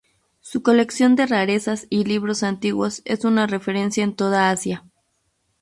Su colección de rarezas y libros antiguos es una referencia en toda Asia.